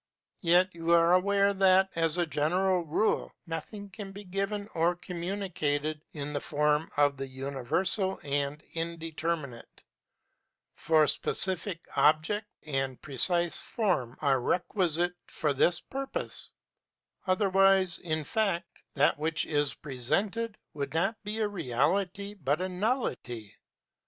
Yet you are aware that, as a general rule, nothing can be given or communicated, in the form of the Universal and Indeterminate, for specific object and precise form are requisite for this purpose; otherwise, in fact, that which is presented would not be a reality but a nullity.